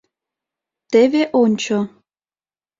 Теве ончо.